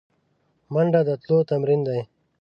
منډه د تلو تمرین دی